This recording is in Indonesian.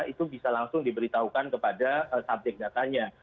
itu bisa langsung diberitahukan kepada subjek datanya